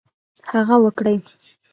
هغه وکړي.